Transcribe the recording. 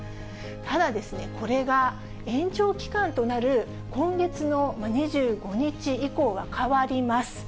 ただ、これが延長期間となる今月の２５日以降は変わります。